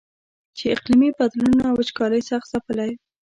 چې اقلیمي بدلونونو او وچکالۍ سخت ځپلی.